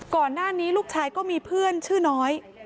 ก่อนหน้านี้ลูกชายก็มีเพื่อนชื่อน้อย